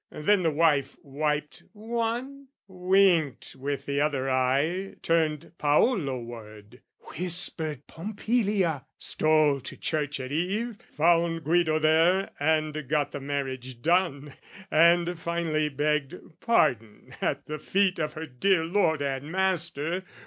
Then the wife wiped one Winked with the other eye turned Paolo ward, Whispered Pompilia, stole to church at eve, Found Guido there and got the marriage done, And finally begged pardon at the feet Of her dear lord and master.